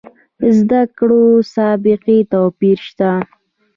زده کړو سابقې توپیر شته.